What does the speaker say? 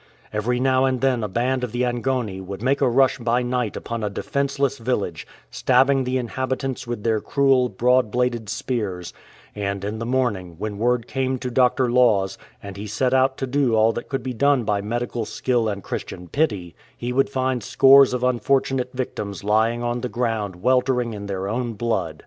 Every now and then a band of the Angoni would make a rush by night upon a defenceless village, stabbing the inhabitants with their cruel, broad bladed spears ; and in the morning, when word came to Dr. Laws and he set out to do all that could be done by medical skill and Christian pity, he would find scores of unfortunate victims lying on the ground weltering in their own blood.